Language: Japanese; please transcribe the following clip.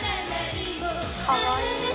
かわいい。